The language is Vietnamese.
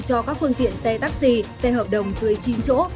cho các phương tiện xe taxi xe hợp đồng dưới chín chỗ